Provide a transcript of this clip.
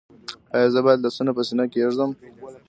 ایا زه باید لاسونه په سینه کیږدم؟